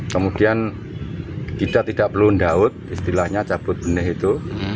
kemudian kita tidak perlu mendaut istilahnya cabut benih itu